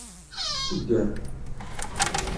Segger.